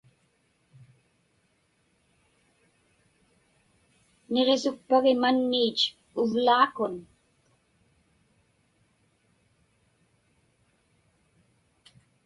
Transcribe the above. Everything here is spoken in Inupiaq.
Niġisukpagi manniit uvlaakun?